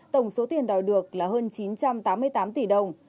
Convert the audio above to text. tổng số tiền đòi được là hơn chín trăm tám mươi tám tỷ đồng